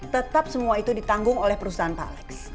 tetap semua itu ditanggung oleh perusahaan pak alex